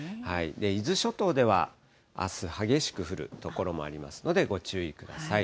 伊豆諸島ではあす、激しく降る所もありますので、ご注意ください。